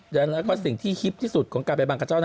แล้วก็สิ่งที่ฮิตที่สุดของการไปบางกระเจ้านั้น